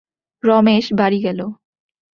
রমেশ বাড়ি গেল।